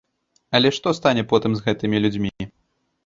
Але што стане потым з гэтымі людзьмі?